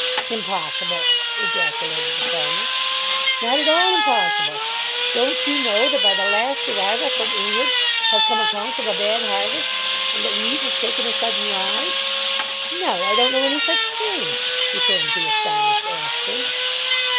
"Impossible!" ejaculated the farmer. "Not at all impossible. Don't you know that by the last arrival from England have come accounts of a bad harvest, and that wheat has taken a sudden rise?" "No, I don't know any such a thing," returned the astonished Ashburn.